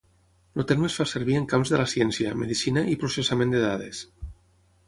El terme es fa servir en camps de la ciència, medicina i processament de dades.